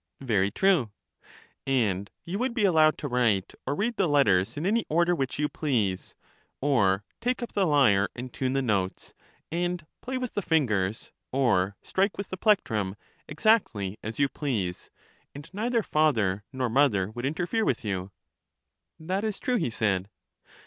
Very true. 58 LYSIS And you would be allowed to write or read the let ters in any order which you please, or take up the lyre and tune the notes, and play with the fingers, or strike with the plectrum, exactly as you please, and neither father nor mother would interfere with you. That is true, he said.